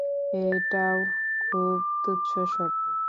এটাও খুবই তুচ্ছ শর্ত।